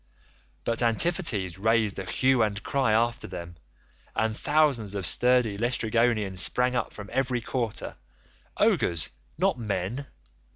But Antiphates raised a hue and cry after them, and thousands of sturdy Laestrygonians sprang up from every quarter—ogres, not men.